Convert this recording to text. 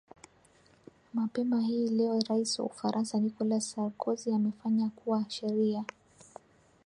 mapema hii leo rais wa ufaransa nicolas sarkozy amefanya kuwa sheria